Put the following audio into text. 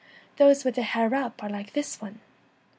Those with their hair up are like this one.